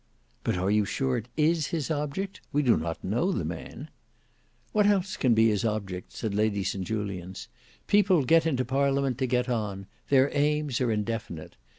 "But are you sure it is his object? We do not know the man." "What else can be his object?" said Lady St Julians. "People get into Parliament to get on; their aims are indefinite.